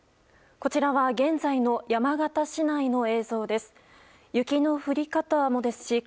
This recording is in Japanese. こちらは、現在の山形市内の映像です。